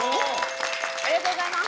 ありがとうございます。